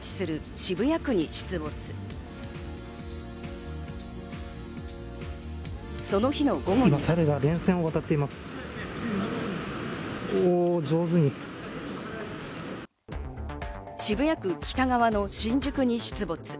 渋谷区北側の新宿に出没。